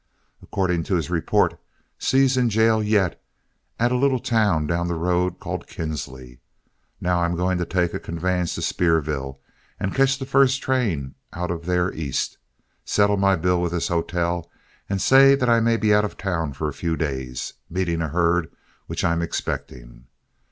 According to his report, Seay's in jail yet at a little town down the road called Kinsley. Now, I'm going to take a conveyance to Spearville, and catch the first train out of there East. Settle my bill with this hotel, and say that I may be out of town for a few days, meeting a herd which I'm expecting.